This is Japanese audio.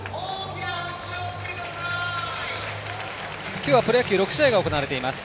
今日は、プロ野球６試合が行われています。